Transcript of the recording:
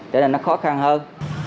thế nên nó khó khăn hơn